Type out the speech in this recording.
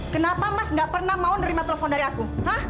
kenapa mas nggak pernah mau nerima telepon dari aku